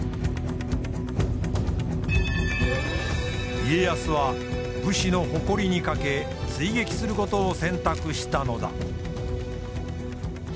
家康は武士の誇りにかけ追撃することを選択したのだ。